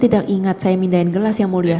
tidak ingat saya mindahin gelas yang mulia